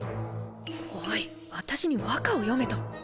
おい私に和歌を詠めと？